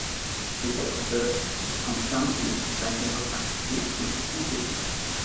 The date of birth of Konstanty Wasyl Ostrogski is disputed.